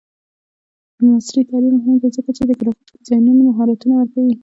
عصري تعلیم مهم دی ځکه چې د ګرافیک ډیزاین مهارتونه ورکوي.